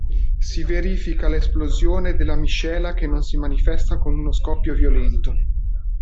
Si verifica la esplosione della miscela che non si manifesta con uno scoppio violento.